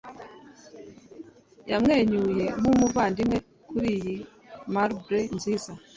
yamwenyuye nk'umuvandimwe kuri iyi marble nziza